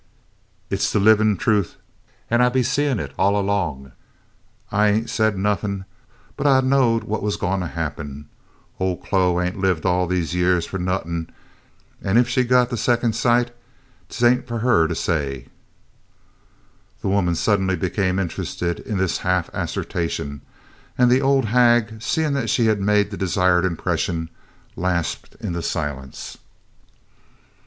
"Hit 's de livin' trufe, an' I 's been seein' it all 'long. I ain't said nuffin', but I knowed what 'uz gwine to happen. Ol' Chloe ain't lived all dese yeahs fu' nuffin', an' ef she got de gif' o' secon' sight, 't ain't fu' huh to say." The women suddenly became interested in this half assertion, and the old hag, seeing that she had made the desired impression, lapsed into silence.